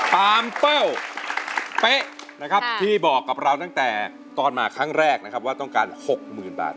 ตามเป้าเป๊ะที่บอกกับเราตอนมาตั้งแต่ครั้งแรกนะครับว่าต้องการ๖๐๐๐๐บาท